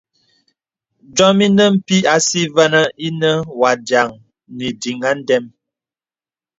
Dìōm inə pī àsí vənə inə wà dìaŋ nì ìdiŋ à ndəm.